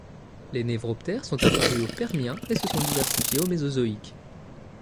Les névroptères sont apparus au Permien et se sont diversifiés au Mésozoïque.